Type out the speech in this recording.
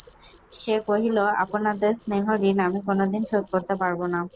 সে কহিল, আপনাদের স্নেহ-ঋণ আমি কোনাদিন শোধ করতে পারব না।